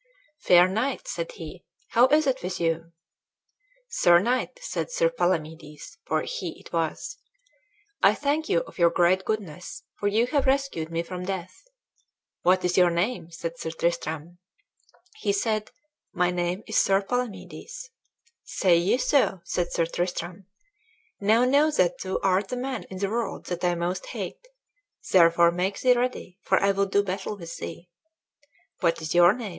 "Fair knight," said he, "how is it with you?" "Sir knight," said Sir Palamedes, for he it was, "I thank you of your great goodness, for ye have rescued me from death." "What is your name?" said Sir Tristram. He said, "My name is Sir Palamedes." "Say ye so?" said Sir Tristram; "now know that thou art the man in the world that I most hate; therefore make thee ready, for I will do battle with thee." "What is your name?"